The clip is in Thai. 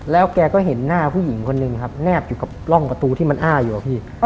แล้วแกก็เห็นหน้าผู้หญิงคนหนึ่งครับแนบอยู่กับร่องประตูที่มันอ้าอยู่อะพี่